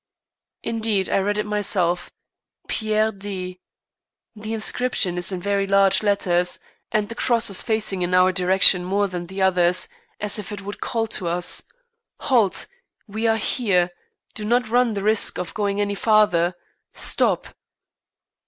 Indeed, I read it myself, "Pierre D ." The inscription is in very large letters, and the cross is facing in our direction more than the others, as if it would call to us: "Halt! we are here. Do not run the risk of going any farther. Stop!"